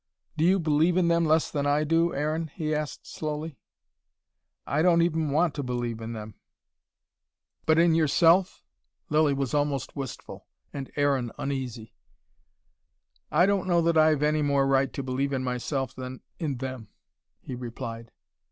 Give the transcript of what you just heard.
"Do you believe in them less than I do, Aaron?" he asked slowly. "I don't even want to believe in them." "But in yourself?" Lilly was almost wistful and Aaron uneasy. "I don't know that I've any more right to believe in myself than in them," he replied.